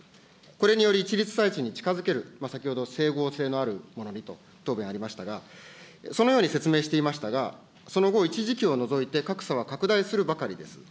これにより、一律に近づける、先ほど整合性のあるという答弁ありましたが、そのように説明していましたが、その後、一時期を除いて、格差は拡大するばかりです。